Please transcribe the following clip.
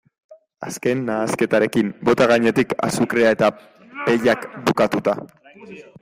Azken nahasketarekin, bota gainetik azukrea eta pellak bukatuta.